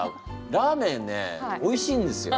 ラーメンねおいしいんですよ